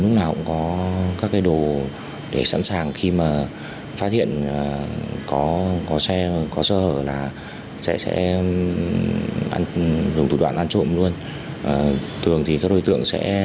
lúc nào cũng có các cái đồ để sẵn sàng khi mà phát hiện có xe có sơ hở